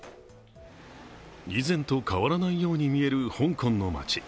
以前と変わらないように見える香港の街。